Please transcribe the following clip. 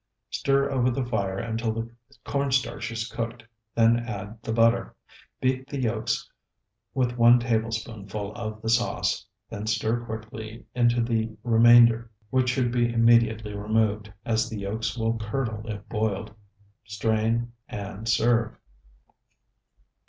Stir over the fire until the corn starch is cooked, then add the butter. Beat the yolks with one tablespoonful of the sauce, then stir quickly into the remainder, which should be immediately removed, as the yolks will curdle if boiled. Strain, and serve.